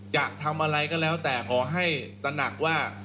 จะทำอะไรก็แล้วแต่ขอให้ตระหนักว่า